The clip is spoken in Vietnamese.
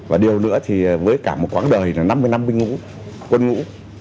và điều nữa thì với cả một quãng đời là năm mươi năm quân ngũ